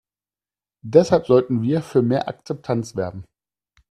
Deshalb sollten wir für mehr Akzeptanz werben.